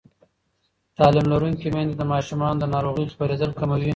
تعلیم لرونکې میندې د ماشومانو د ناروغۍ خپرېدل کموي.